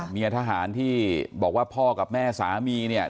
เมียทหารที่บอกว่าพ่อกับแม่สามีเนี่ย